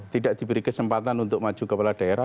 tidak diberi kesempatan untuk maju kepala daerah